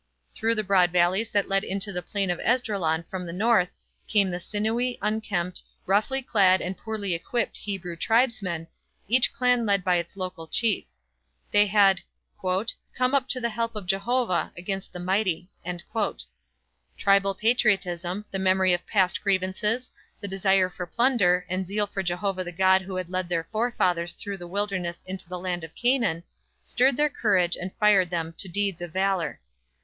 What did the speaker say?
Through the broad valleys that lead into the Plain of Esdraelon from the north came the sinewy, unkempt, roughly clad and poorly equipped Hebrew tribesmen, each clan led by its local chief. They had "come up to the help of Jehovah against the mighty." Tribal patriotism, the memory of past grievances, the desire for plunder, and zeal for Jehovah the God who had led their forefathers through the wilderness into the land of Canaan, stirred their courage and fired them to deeds of valor.